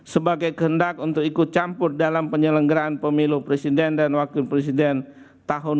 sebagai kehendak untuk ikut campur dalam penyelenggaraan pemilu presiden dan wakil presiden tahun dua ribu dua puluh